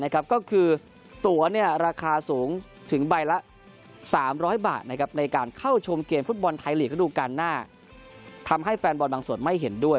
ก็คือตัวราคาสูงถึงใบละ๓๐๐บาทในการเข้าชมเกมฟุตบอลไทยลีกระดูกาลหน้าทำให้แฟนบอลบางส่วนไม่เห็นด้วย